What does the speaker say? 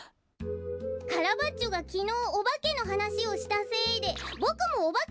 カラバッチョがきのうおばけのはなしをしたせいでボクもおばけのゆめをみたよ！